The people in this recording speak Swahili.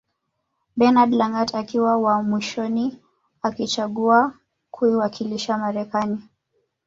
Bernard Lagat akiwa wa mwishoni akichagua kuiwakilisha Marekani